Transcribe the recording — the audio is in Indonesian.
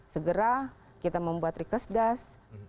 segera kita membuat rikesgas